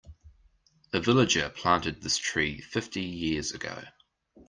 A villager planted this tree fifty years ago.